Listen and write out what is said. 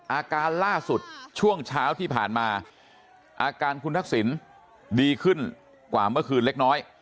อาการล่าสุดช่วงเช้าที่ผ่านมาอาการคุณทักษิณดีขึ้นกว่าเมื่อคืนเล็กน้อย